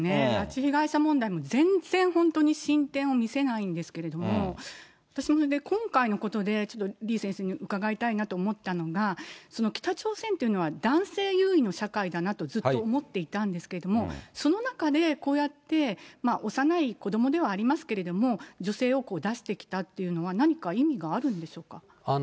拉致被害者問題も全然本当に進展を見せないんですけれども、私も今回のことで、ちょっと李先生に伺いたいなと思ったのが、その北朝鮮というのは男性優位の社会だなとずっと思っていたんですけども、その中で、こうやって、幼い子どもではありますけれども、女性を出してきたというのは、何か意味があるんでしょうか。